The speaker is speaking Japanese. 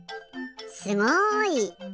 すごい！